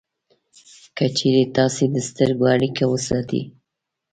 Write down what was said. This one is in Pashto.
که چېرې تاسې د سترګو اړیکه وساتئ